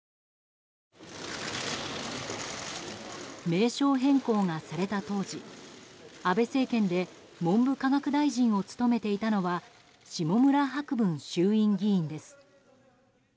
名称変更がされた当時安倍政権で文部科学大臣を務めていたのは下村博文衆院議員です。